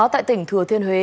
tại tỉnh thừa thiên huế